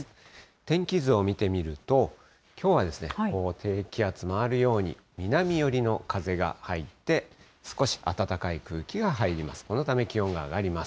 天気図を見てみると、きょうは低気圧回るように南寄りの風が入って、少し暖かい空気が入ります。